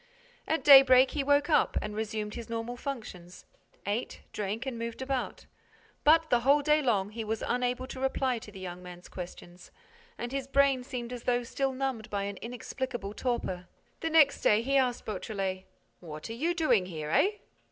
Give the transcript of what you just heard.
At daybreak, he woke up and resumed his normal functions: ate, drank and moved about. But, the whole day long, he was unable to reply to the young man's questions and his brain seemed as though still numbed by an inexplicable torpor. The next day, he asked Beautrelet: "What are you doing here, eh?"